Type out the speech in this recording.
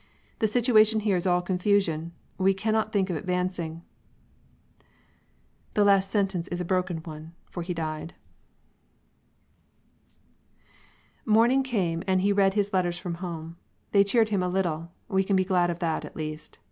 The situation here is still all confusion; we cannot think of advancing " The last sentence is a broken one. For he died. Morning came and he read his letters from home. They cheered him a little; we can be glad of that, at least.